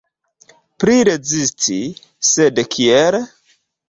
Pli rezisti, sed kiel?